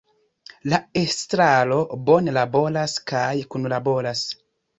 La Estraro bone laboras kaj kunlaboras.